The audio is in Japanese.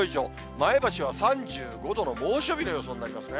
前橋は３５度の猛暑日の予想になりますね。